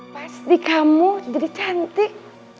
pasti kamu jadi cantik